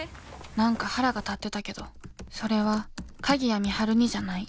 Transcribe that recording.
何か腹が立ってたけどそれは鍵谷美晴にじゃない。